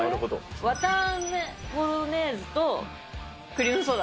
わたあめボロネーズとクリームソーダ。